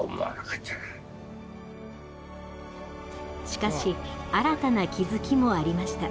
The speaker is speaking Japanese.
しかし新たな気付きもありました。